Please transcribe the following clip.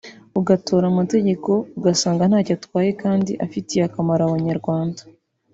ugatora amategeko ugasanga ntacyo atwaye kandi afitiye akamaro Abanyarwanda